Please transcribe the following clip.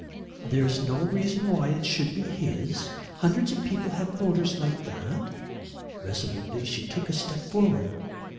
"There is no reason why it should be his. Hundreds of people have motors like that." Resolutely she took a step forward.